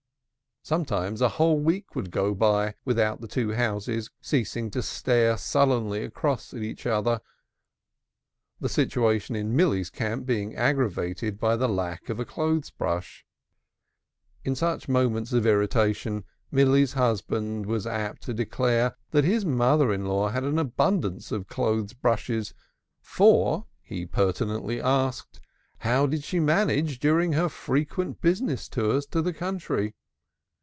Sometimes a whole week would go by without the two houses ceasing to stare sullenly across at each other, the situation in Milly's camp being aggravated by the lack of a clothes brush. In such moments of irritation, Milly's husband was apt to declare that his mother in law had abundance of clothes brushes, for, he pertinently asked, how did she manage during her frequent business tours in the country?